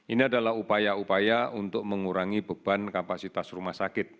ini adalah upaya upaya untuk mengurangi beban kapasitas rumah sakit